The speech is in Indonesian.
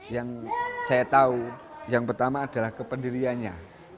yang saya tahu yang pertama adalah kependiriannya